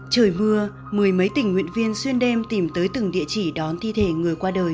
trời mưa mười mấy tình nguyện viên xuyên đêm tìm tới từng địa chỉ đón thi thể người qua đời